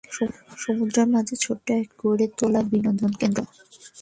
সমুদ্রের মাঝে ছোট এক দ্বীপে গড়ে তোলা বিনোদন কেন্দ্র।